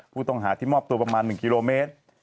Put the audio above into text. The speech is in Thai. ผู้ต้องหาที่มอบตัวประมาณ๑กิโลเมตร